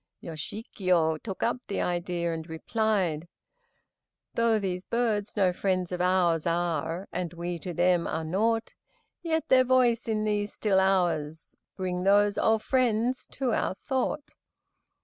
Yoshikiyo took up the idea and replied: "Though these birds no friends of ours Are, and we to them are nought, Yet their voice in these still hours Bring those old friends to our thought."